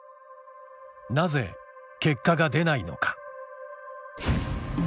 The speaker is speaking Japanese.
なぜ結果が出ないのか？